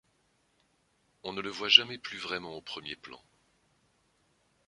On ne le voit jamais plus vraiment au premier plan.